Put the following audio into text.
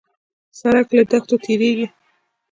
سړک له دښتو تېرېږي.